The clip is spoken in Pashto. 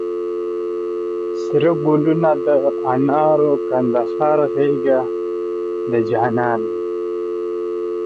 سره ګلونه د انارو، کندهار غېږ د جانان مي